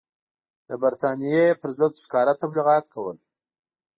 د برټانیې پر ضد ښکاره تبلیغات کول.